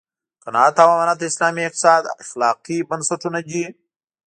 قناعت او امانت د اسلامي اقتصاد اخلاقي بنسټونه دي.